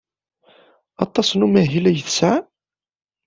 Aṭas n umahil ay tesɛam?